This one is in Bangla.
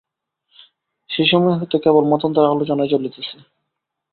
সেই সময় হইতে কেবল মতান্তরের আলোচনাই চলিতেছে।